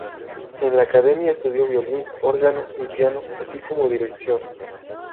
En la academia estudió violín, órgano y piano, así como dirección.